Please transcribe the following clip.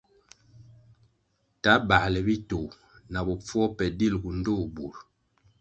Ta bāle bitoh na bopfuo pe dilʼgu ndtoh bur.